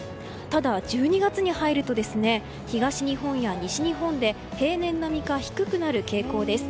ただ、１２月に入ると東日本や西日本で平年並みか低くなる傾向です。